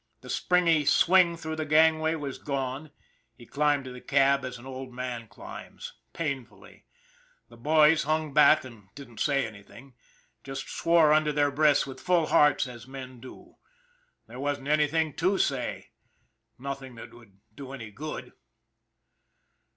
The springy swing through the gangway was gone. He climbed to the cab as an old man climbs painfully. The boys hung back and didn't say any thing, just swore under their breaths with full hearts as men do. There wasn't anything to say nothing that would do any good.